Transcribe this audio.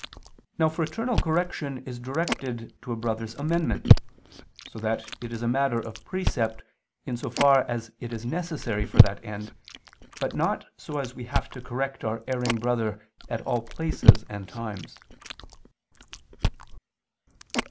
Now fraternal correction is directed to a brother's amendment: so that it is a matter of precept, in so far as it is necessary for that end, but not so as we have to correct our erring brother at all places and times.